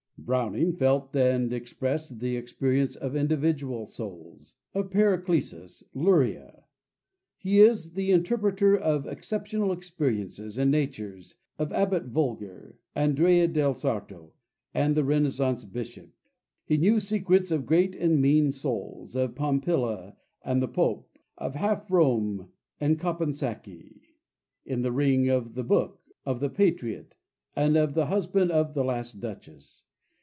Browning felt and expressed the experience of individual souls, of "Paracelsus," "Luria." He is the interpreter of exceptional experiences and natures, of "Abt Vogler," Andrea del Sarto, the Renaissance Bishop. He knew secrets of great and mean souls, of Pompilia and the Pope, of "Half Rome" and Caponsacchi (kah´´ pahn sock´ kee), in "The Ring and the Book," of "The Patriot," and of the husband of "The Last Duchess."